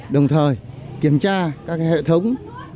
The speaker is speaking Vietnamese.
đồng thời kiểm tra các hệ thống